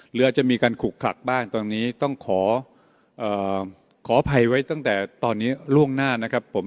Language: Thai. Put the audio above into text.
หรืออาจจะมีการขุกขลักบ้างตอนนี้ต้องขอขออภัยไว้ตั้งแต่ตอนนี้ล่วงหน้านะครับผม